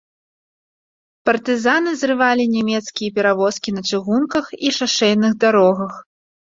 Партызаны зрывалі нямецкія перавозкі на чыгунках і шашэйных дарогах.